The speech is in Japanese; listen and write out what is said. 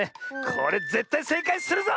これぜったいせいかいするぞ！